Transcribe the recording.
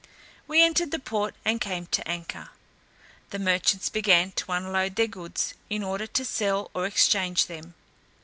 We entered the port, and came to anchor. The merchants began to unload their goods, in order to sell or exchange them.